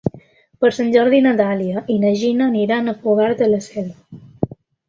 Per Sant Jordi na Dàlia i na Gina aniran a Fogars de la Selva.